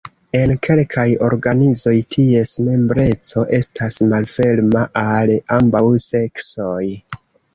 En kelkaj organizoj, ties membreco estas malferma al ambaŭ seksoj.